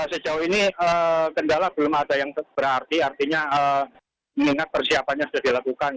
sejauh ini kendala belum ada yang berarti artinya mengingat persiapannya sudah dilakukan